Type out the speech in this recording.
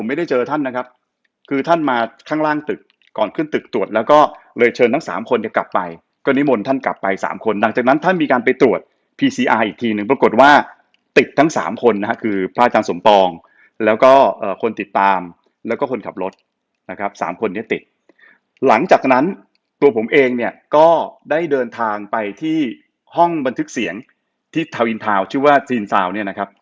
มาข้างล่างตึกก่อนขึ้นตึกตรวจแล้วก็เลยเชิญทั้งสามคนจะกลับไปก็นิบลท่านกลับไปสามคนหลังจากนั้นท่านมีการไปตรวจพีซีอาร์อีกทีหนึ่งปรากฏว่าติดทั้งสามคนนะฮะคือพระอาจารย์สมปองแล้วก็เอ่อคนติดตามแล้วก็คนขับรถนะครับสามคนที่ติดหลังจากนั้นตัวผมเองเนี้ยก็ได้เดินทางไปที่ห้องบันทึกเสียงที่ทาวิน